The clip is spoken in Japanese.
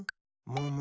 むむ？